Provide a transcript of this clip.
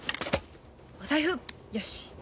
お財布よし。